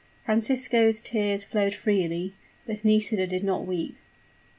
Francisco's tears flowed freely; but Nisida did not weep!